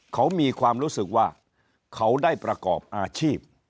เขามีความรู้สึกว่าเขาได้ประกอบอาชีพ